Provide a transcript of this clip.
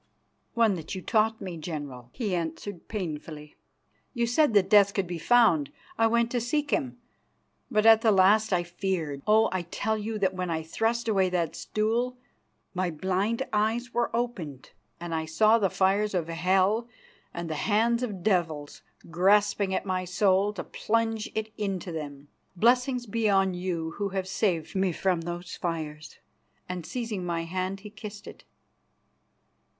"One that you taught me, General," he answered painfully. "You said that death could be found. I went to seek him, but at the last I feared. Oh! I tell you that when I thrust away that stool, my blind eyes were opened, and I saw the fires of hell and the hands of devils grasping at my soul to plunge it into them. Blessings be on you who have saved me from those fires," and seizing my hand he kissed it.